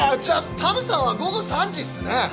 じゃあタムさんは午後３時っすね。